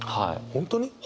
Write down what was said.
本当に。